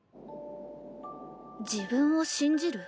自分を信じる？